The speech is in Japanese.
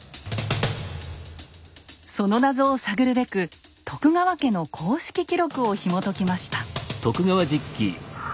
その謎を探るべく徳川家の公式記録をひもときました。